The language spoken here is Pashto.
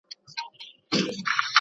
که انلاین کورس وي نو پوهه نه کمیږي.